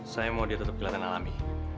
saya mau dia tetap kelihatan alami